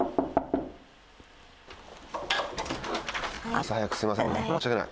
朝早くすみません。